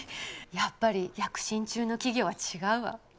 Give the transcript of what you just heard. やっぱり躍進中の企業は違うわ。